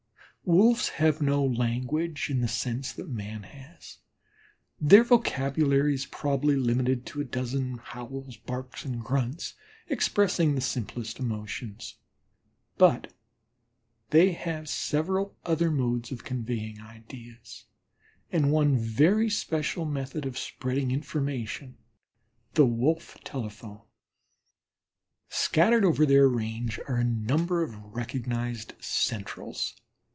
Wolves have no language in the sense that man has; their vocabulary is probably limited to a dozen howls, barks, and grunts expressing the simplest emotions; but they have several other modes of conveying ideas, and one very special method of spreading information the Wolf telephone. Scattered over their range are a number of recognized "centrals."